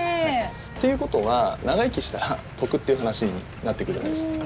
っていうことは長生きしたら得っていう話になっていくじゃないですか。